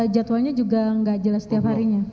jadwalnya juga nggak jelas setiap harinya